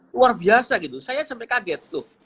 luar biasa saya sampai kaget